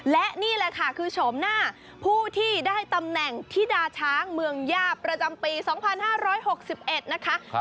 และนี่แหละค่ะคือโฉมหน้าผู้ที่ได้ตำแหน่งธิดาช้างเมืองย่าประจำปี๒๕๖๑นะคะ